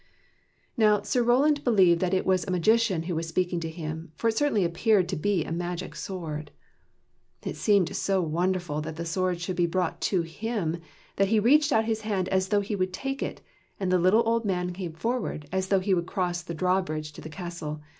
Now Sir Roland believed that it was a magician who was speaking to him, for it certainly appeared to be a magic sword. It seemed so wonderful that the sword should be brought to him, that he reached out his hand as though he would take it, and the little old man came forward, as though he would cross the drawbridge into the castle.